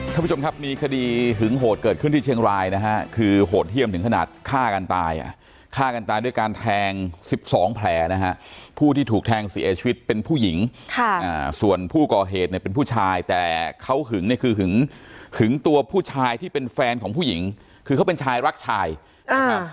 ท่านผู้ชมครับมีคดีหึงโหดเกิดขึ้นที่เชียงรายนะฮะคือโหดเยี่ยมถึงขนาดฆ่ากันตายอ่ะฆ่ากันตายด้วยการแทงสิบสองแผลนะฮะผู้ที่ถูกแทงเสียชีวิตเป็นผู้หญิงค่ะอ่าส่วนผู้ก่อเหตุเนี่ยเป็นผู้ชายแต่เขาหึงเนี่ยคือหึงหึงตัวผู้ชายที่เป็นแฟนของผู้หญิงคือเขาเป็นชายรักชายนะครับ